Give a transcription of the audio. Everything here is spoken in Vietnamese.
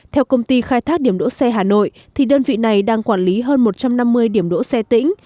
theo công ty khai thác điểm đỗ xe hà nội thì đơn vị này đang quản lý hơn một trăm năm mươi điểm đỗ xe tỉnh